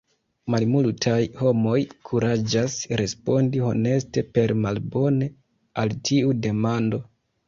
Malmultaj homoj kuraĝas respondi honeste per Malbone al tiu demando.